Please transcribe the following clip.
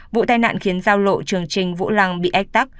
vụ tai nạn khiến giao lộ trường trình vũ lăng bị ách tắc